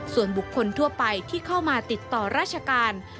ส่วนบุคคลทั่วไปที่เข้ามาติดต่อราชการ